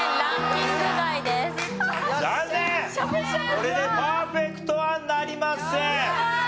これでパーフェクトはなりません。